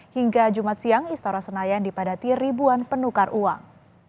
hingga jumat siang istora senayan dipadati ribuan penukar uang